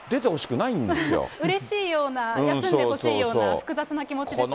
うれしいような、休んでほしいような、複雑な気持ちですよね。